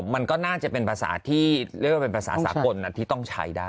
มันก็น่าจะเป็นภาษาที่เรียกว่าเป็นภาษาสากลที่ต้องใช้ได้